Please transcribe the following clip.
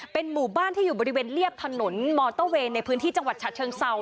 เป็นหมู่บ้านที่อยู่บริเวณเรียบถนนมอเตอร์เวย์ในพื้นที่จังหวัดฉะเชิงเศร้า